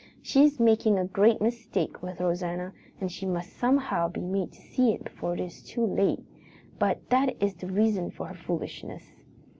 She is making a great mistake with Rosanna and she must somehow be made to see it before it is too late. But that is the reason for her foolishness.